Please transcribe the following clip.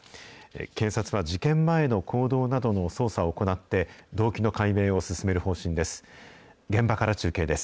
警察は事件前の行動などの捜査を行って、動機の解明を進める方針です。